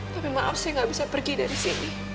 tapi maaf saya nggak bisa pergi dari sini